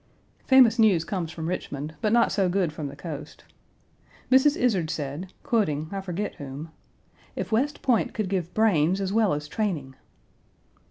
Famous news comes from Richmond, but not so good from the coast. Mrs. Izard said, quoting I forget whom: "If West Point could give brains as well as training!"